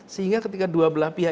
sehingga ketika dua belah pihak